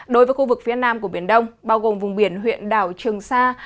đối với khu vực phía nam của biển đông bao gồm vùng biển huyện đảo trường sa